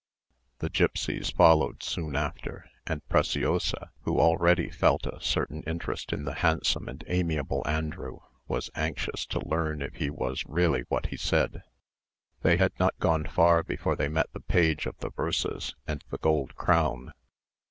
The gipsies followed soon after; and Preciosa, who already felt a certain interest in the handsome and amiable Andrew, was anxious to learn if he was really what he said. They had not gone far before they met the page of the verses and the gold crown.